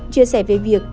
chia sẻ về việc